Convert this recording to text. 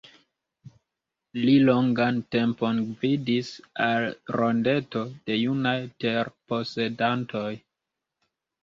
Li longan tempon gvidis al Rondeto de Junaj Terposedantoj.